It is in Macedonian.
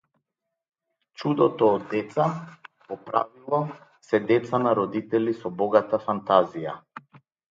Чудото од деца, по правило, се деца на родители со богата фантазија.